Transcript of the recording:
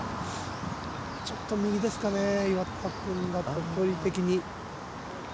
ちょっと右ですかね、岩田君だと距離的に。